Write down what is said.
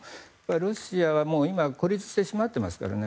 ロシアは今孤立してしまっていますからね。